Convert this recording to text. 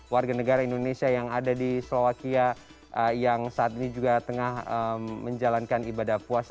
warga negara indonesia yang ada di slovakia yang saat ini juga tengah menjalankan ibadah puasa